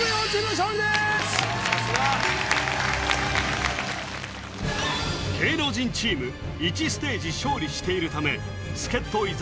さすが芸能人チーム１ステージ勝利しているため助っ人伊沢